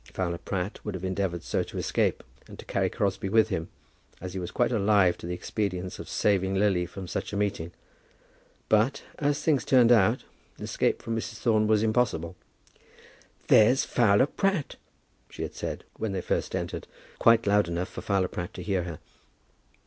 Fowler Pratt would have endeavoured so to escape, and to carry Crosbie with him, as he was quite alive to the expedience of saving Lily from such a meeting. But, as things turned out, escape from Mrs. Thorne was impossible. "There's Fowler Pratt," she had said when they first entered, quite loud enough for Fowler Pratt to hear her.